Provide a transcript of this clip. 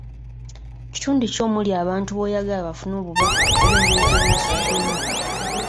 Kitundu ki omuli abantu b'oyagala bafune obubaka oba engeri gye beesuddemu,